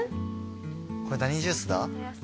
これ何ジュースだ？